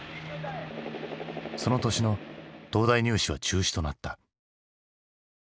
その年の東大入試は中止となった。